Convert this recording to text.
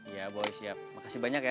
iya boy siap makasih banyak ya